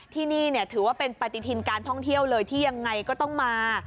ที่นี่ถือว่าเป็นปฏิทินการท่องเที่ยวเลยที่ยังไงก็ต้องมา